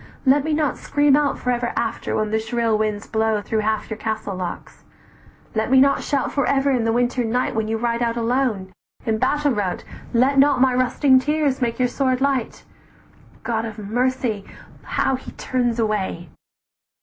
let me not scream out For ever after, when the shrill winds blow "Through half your castle locks! let me not shout For ever after in the winter night When you ride out alone! in battle rout "Let not my rusting tears make your sword light! Ah! God of mercy, how he turns away!